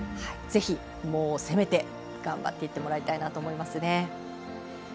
ぜひ攻めて頑張っていってもらいたいなと思いますね。